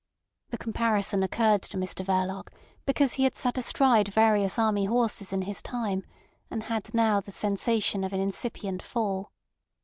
The comparison occurred to Mr Verloc because he had sat astride various army horses in his time, and had now the sensation of an incipient fall.